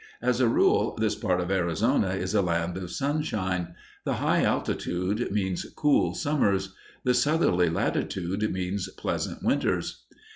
As a rule, this part of Arizona is a land of sunshine; the high altitude means cool summers; the southerly latitude means pleasant winters.